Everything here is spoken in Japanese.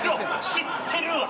知ってたわ！